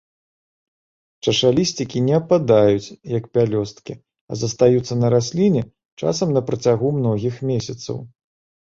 Чашалісцікі не ападаюць, як пялёсткі, а застаюцца на расліне часам на працягу многіх месяцаў.